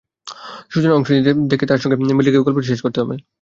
সূচনা অংশটি দেখে তার সঙ্গে মিল রেখে গল্পটি শেষ করতে হবে।